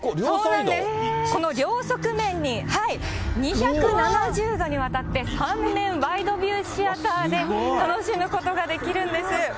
そうなんです、この両側面に、２７０度にわたって３面ワイドビューシアターで楽しむことができるんです。